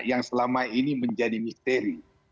yang selama ini menjadi misteri